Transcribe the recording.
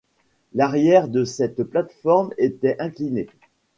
L'arrière de cette plate-forme était incliné.